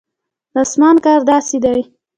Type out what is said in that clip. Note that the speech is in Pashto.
د اسمان کار داسې دی.